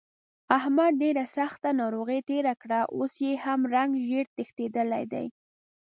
احمد ډېره سخته ناروغۍ تېره کړه، اوس یې هم رنګ زېړ تښتېدلی دی.